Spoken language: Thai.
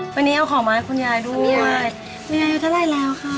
วันนี้เอาของมาให้คุณยายด้วยคุณยายยิ้มเท่าไรแล้วคะ